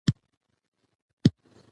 د خلکو بې باوري بحران جوړوي